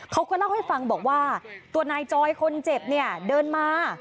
เขาก็เล่าให้ฟังบอกว่าตัวนายจอยคนเจ็บเนี่ยเดินมา